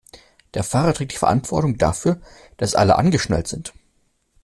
Der Fahrer trägt die Verantwortung dafür, dass alle angeschnallt sind.